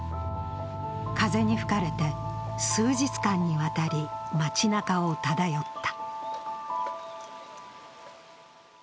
風に吹かれて数日間にわたり街なかを漂った。